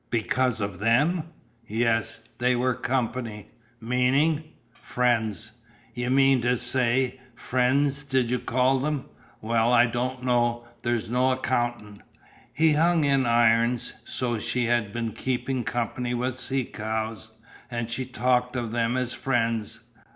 "Because of them!" "Yes. They were company." "Meaning " "Friends." "Y'mean to say friends did you call them? Well, I don't know, there's no accountin'." He hung in irons. So she had been keeping company with the sea cows and she talked of them as "friends."